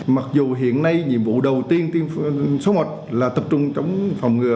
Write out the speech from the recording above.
mặc dù hiện nay nhiệm vụ đầu tiên số một là tập trung chống phòng ngừa